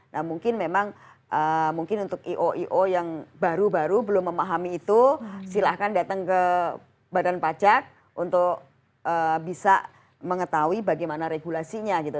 nah mungkin memang mungkin untuk io o yang baru baru belum memahami itu silahkan datang ke badan pajak untuk bisa mengetahui bagaimana regulasinya gitu